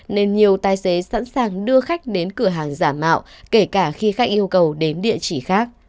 nên nhiều tài xế sẵn sàng đưa khách đến cửa hàng giả mạo kể cả khi khách yêu cầu đến địa chỉ khác